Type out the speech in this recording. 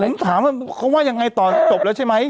มันหุ้มถามว่าเขาว่ายังไงตอนตบแล้วใช่ไหม